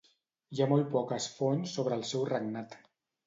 Hi ha molt poques fonts sobre el seu regnat.